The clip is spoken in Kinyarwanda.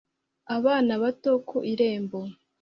Abana bato ku irembo